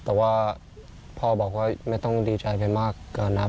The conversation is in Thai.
แต่ว่าพ่อบอกว่าไม่ต้องดีใจไปมากเกินนะครับ